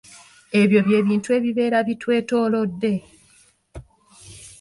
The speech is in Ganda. Ebyo bye bintu ebibeera bitwetoolodde.